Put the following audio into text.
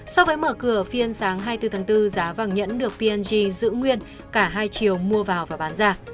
so với mở cửa phiên sáng hai mươi bốn tháng bốn giá vàng nhẫn được png giữ nguyên cả hai chiều mua vào và bán ra